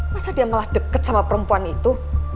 masa dia malah dekat sama perempuan itu